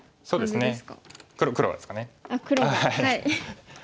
そうですね